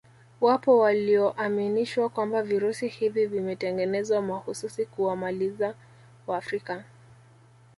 Wapo walioaminishwa kwamba virusi hivi vimetengenezwa mahususi kuwamaliza wafrika